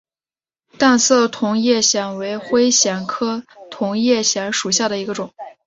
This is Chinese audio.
淡色同叶藓为灰藓科同叶藓属下的一个种。